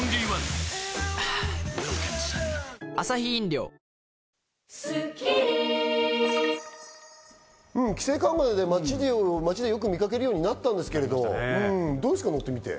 ルールの緩和も検討されてい規制緩和で街でよく見かけるようになったんですけど、どうですか乗ってみて。